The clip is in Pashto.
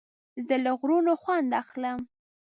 زه له غرونو خوند اخلم.